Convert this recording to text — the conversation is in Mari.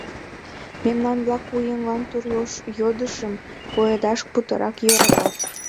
Мемнан-влак у еҥлан тӱрлӧ йодышым пуэдаш путырак йӧратат.